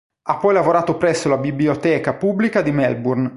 Ha poi lavorato presso la Biblioteca Pubblica di Melbourne.